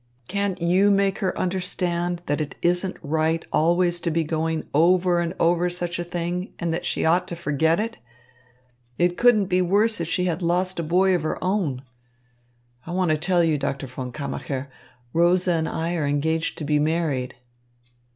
Can't you make her understand that it isn't right always to be going over and over such a thing and that she ought to forget it? It couldn't be worse if she had lost a boy of her own. I want to tell you, Doctor von Kammacher, Rosa and I are engaged to be married."